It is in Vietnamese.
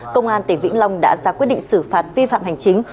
công an tỉnh vĩnh long đã ra quyết định xử phạt vi phạm hành chính